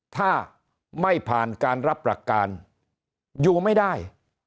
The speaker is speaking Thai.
ถ้าไม่ผ่านการรับประการอยู่ไม่ได้